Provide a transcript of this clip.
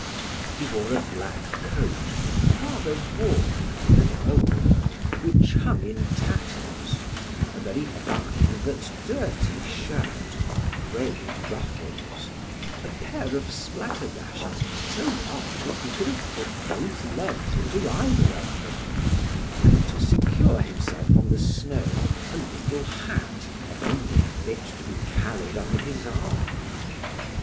He wore a black coat, rather worn than old, which hung in tatters, a very fine but dirty shirt, frayed ruffles; a pair of splatterdashes so large that he could have put both legs into either of them, and, to secure himself from the snow, a little hat, only fit to be carried under his arm.